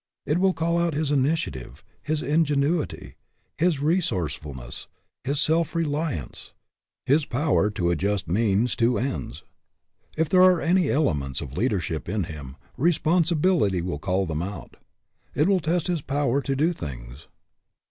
It will call out his initiative, his ingenuity, his resource RESPONSIBILITY DEVELOPS 95 fulness, his self reliance, his power to adjust means to ends. If there are any elements of leadership in him, responsibility will call them out. It will test his power to do things.